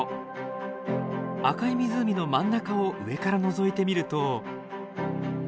赤い湖の真ん中を上からのぞいてみると。